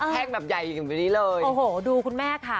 แห้งแบบใหญ่อย่างนี้เลยโอ้โหดูคุณแม่ค่ะ